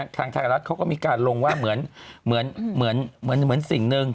ทางไทยรัฐเขาก็มีการลงว่าเหมือนสิ่งหนึ่ง